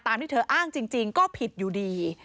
ที่เธออ้างจริงก็ผิดอยู่ดี